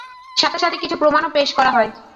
সাথে সাথে কিছু প্রমাণও পেশ করা হয়।